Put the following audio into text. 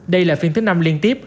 đây là phiên tích năm liên tiếp